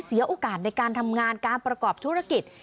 เสียโอกาสในการทำงานการประกอบธุรกิจ